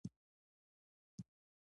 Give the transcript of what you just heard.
شیبر کچالو مشهور دي؟